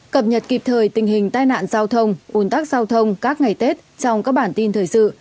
cập nhật kịp thời tình hình tai nạn giao thông un tắc giao thông các ngày tết trong các bản tin thời sự